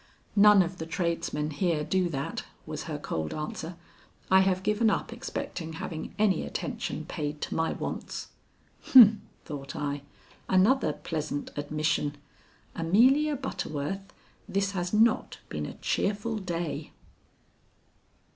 "None of the tradesmen here do that," was her cold answer. "I have given up expecting having any attention paid to my wants." "Humph," thought I. "Another pleasant admission. Amelia Butterworth, this has not been a cheerful day."